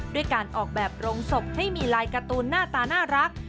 ด้วยการออกแบบโรงศพให้มีลายการ์ตูนหน้าตาน่ารัก